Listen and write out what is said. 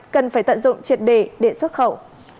cần phải tận dụng triệt để để xuất khẩu